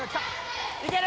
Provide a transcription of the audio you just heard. いける！